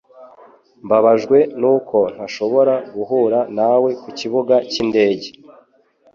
Mbabajwe nuko ntashobora guhura nawe kukibuga cyindege.